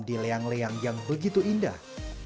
di leang leang yang begitu indah